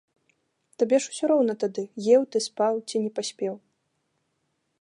Табе ж усё роўна тады, еў ты, спаў ці не паспеў.